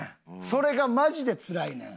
それがマジでつらいねん。